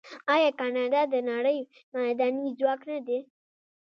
آیا کاناډا د نړۍ معدني ځواک نه دی؟